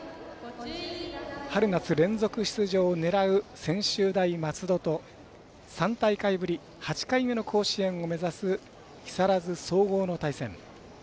春夏連続出場を狙う専修大松戸と３大会ぶり８回目の甲子園を目指す木更津総合の対戦。